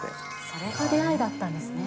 それが出会いだったんですね。